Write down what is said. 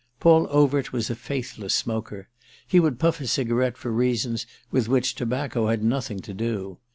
Paul Overt was a faithless smoker; he would puff a cigarette for reasons with which tobacco had nothing to do.